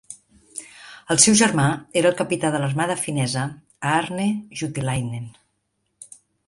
El seu germà era el capità de l'armada finesa Aarne Juutilainen.